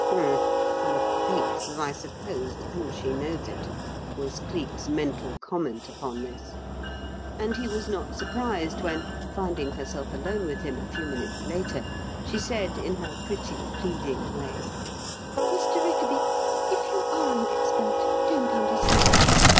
"Humph! Full of fakes, as I supposed and she knows it," was Cleek's mental comment upon this. And he was not surprised when, finding herself alone with him a few minutes later, she said, in her pretty, pleading way: "Mr. Rickaby, if you are an expert, don't undeceive him.